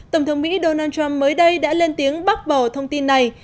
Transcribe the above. tổng thống mỹ donald trump mới đây đã lên tiếng bác bỏ thông tin này